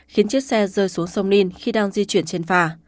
khiến chiếc xe rơi xuống sông ninh khi đang di chuyển trên phà